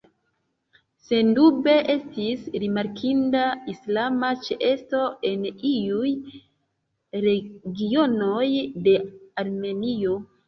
Sendube, estis rimarkinda islama ĉeesto en iuj regionoj de Armenio.